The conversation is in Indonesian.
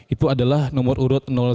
itu adalah nomor urut satu